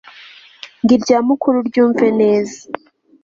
ngo irya mukuru uryumve neza